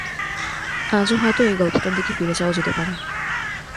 আজও হয়তো এই গল্পটার দিকে ফিরে চাওয়া যেতে পারে।